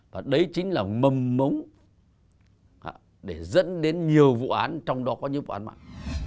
và đấy chính là mầm mống để dẫn đến nhiều vụ án trong đó có những vụ án mạng